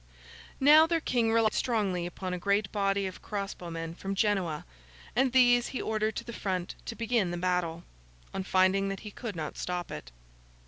Now, their King relied strongly upon a great body of cross bowmen from Genoa; and these he ordered to the front to begin the battle, on finding that he could not stop it.